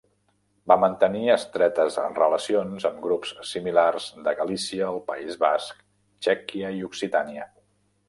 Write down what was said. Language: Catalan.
Va mantenir estretes relacions amb grups similars de Galícia, el País Basc, Txèquia i Occitània.